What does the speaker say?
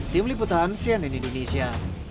tim liputan cnn indonesia